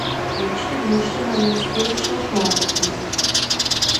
D’letschte Wùche hàn ùns viel Changement gebroocht.